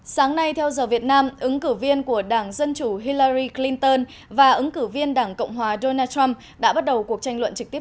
sáng nay theo giờ việt nam ứng cử viên của đảng dân chủ hillari clinton và ứng cử viên đảng cộng hòa donald trump đã bắt đầu cuộc tranh luận trực tiếp